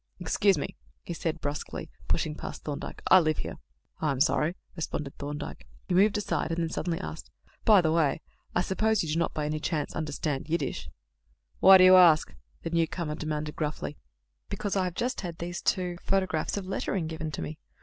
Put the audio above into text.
"Excuse me," he said brusquely, pushing past Thorndyke; "I live here." "I am sorry," responded Thorndyke. He moved aside, and then suddenly asked: "By the way, I suppose you do not by any chance understand Yiddish?" "Why do you ask?" the newcomer demanded gruffly. "Because I have just had these two photographs of lettering given to me.